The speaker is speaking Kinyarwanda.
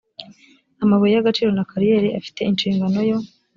amabuye y agaciro na kariyeri afite inshingano yo